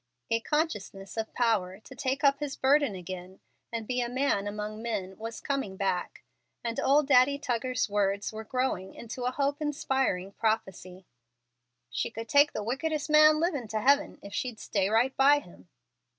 A consciousness of power to take up his burden again and be a man among men was coming back, and old Daddy Tuggar's words were growing into a hope inspiring prophecy: "She could take the wickedest man livin' to heaven, if she'd stay right by him."